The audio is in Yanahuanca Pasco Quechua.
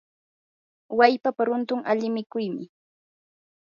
wallpapa runtun ali mikuymi.